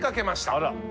あら。